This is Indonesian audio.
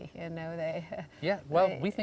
tapi saya tidak tahu apa yang akan terjadi